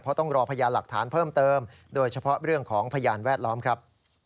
เพราะต้องรอพยานหลักฐานเพิ่มเติมโดยเฉพาะเรื่องของพยานแวดล้อมครับ